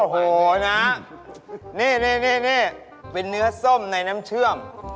โอ้โหนะนี่เป็นเนื้อส้มในน้ำเชื่อม